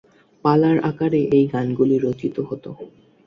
পালার আকারে এই গানগুলি রচিত হত।